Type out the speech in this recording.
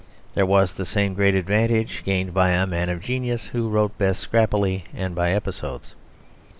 There was the same great advantage gained by a man of genius who wrote best scrappily and by episodes.